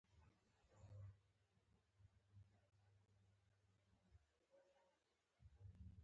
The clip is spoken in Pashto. خو دغه هارمون د بل تن دليل پۀ منفي انداز تجزيه کوي -